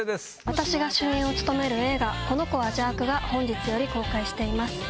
私が主演を務める映画『この子は邪悪』が本日より公開しています。